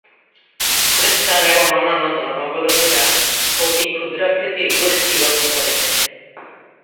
খ্রিস্টান এবং অন্যান্য ধর্মাবলম্বীরা অতি ক্ষুদ্রাকৃতির গোষ্ঠী গঠন করেছে।